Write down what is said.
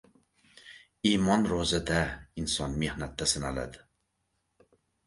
Imon roʻzada, inson mehnatda sinaladi.